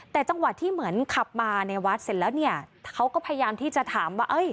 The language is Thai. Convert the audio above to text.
แต่จังหวะที่เหมือนขับมาในวัดเสร็จแล้วเนี่ยเขาก็พยายามที่จะถามว่าเอ้ย